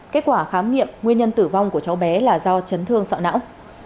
kết quả khám nghiệm nguyên nhân tử vong của cháu bé là do chấn thương sọ não